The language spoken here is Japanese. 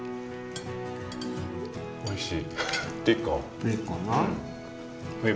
おいしい。